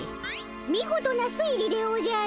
見事な推理でおじゃる。